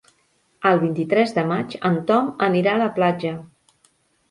El vint-i-tres de maig en Tom anirà a la platja.